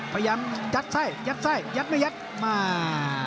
พยายามยัดไส้ยัดไส้ยัดไม่ยัดมา